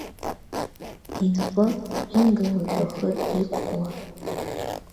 Инапы Инга лыжәҩахыр иқәкуа.